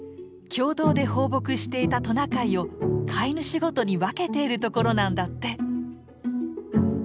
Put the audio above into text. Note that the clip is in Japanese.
共同で放牧していたトナカイを飼い主ごとに分けているところなんだって。